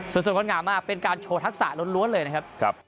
สดงดงามมากเป็นการโชว์ทักษะล้วนเลยนะครับ